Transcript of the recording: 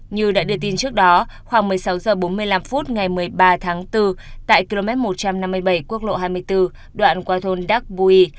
như đã được tin trước đó khoảng một mươi sáu h bốn mươi năm ngày một mươi ba tháng bốn tại km một trăm năm mươi bảy quốc lộ hai mươi bốn đoạn qua thôn đắc bùi